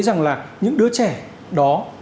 rằng là những đứa trẻ đó